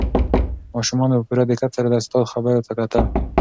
ماشومانو په پوره دقت سره د استاد خبرو ته کتل.